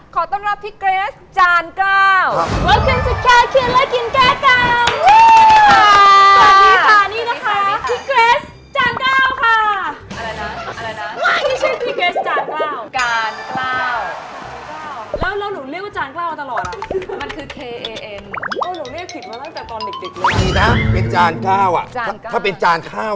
ขอต้อนรับพี่เกรสจานกล้าว